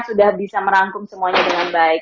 sudah bisa merangkum semuanya dengan baik